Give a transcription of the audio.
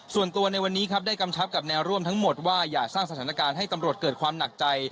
ส่วนตัวในวันนี้ครับได้กำชับกับแนวร่วมทั้งหมดว่าอย่าสร้างสถานการณ์ให้ตำรวจเกิดความหนักใจ